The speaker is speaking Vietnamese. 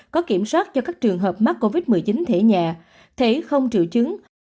có kiểm soát cho các trường hợp mắc covid một mươi chín thể nhẹ thể không triệu chứng